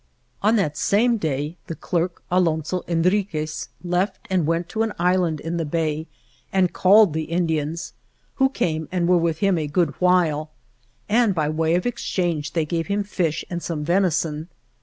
ON that same day the clerk, Alonso Enriquez, left and went to an island in the bay and called the Indians, who came and were with him a good while, and by way of exchange they gave him fish and some venison.